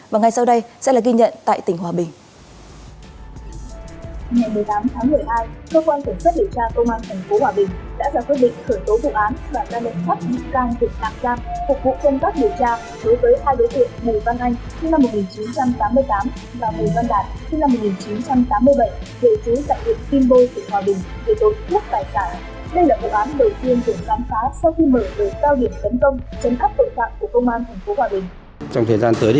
và ngay sau đây sẽ là ghi nhận tại tỉnh hòa bình